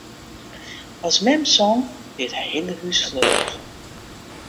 As mem song, wie it hiele hús fleurich.